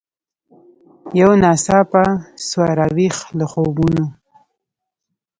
یو ناڅاپه سوه را ویښه له خوبونو